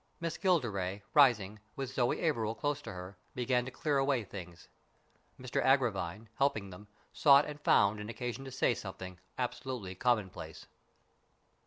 Miss Gilderay, rising, with Zoe Averil close to her, began to clear away things. Mr Agravine, helping them, sought and found an occasion to say something absolutely commonplace.